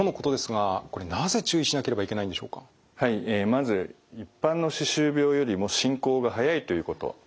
まず一般の歯周病よりも進行が早いということ